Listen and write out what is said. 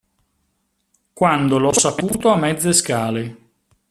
Quando l'ho saputo a mezze scale.